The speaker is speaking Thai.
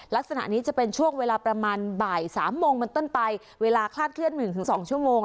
ลักษณะนี้จะเป็นช่วงเวลาประมาณบ่ายสามโมงมันต้นไปเวลาคลาดเคลื่อนหนึ่งถึงสองชั่วโมง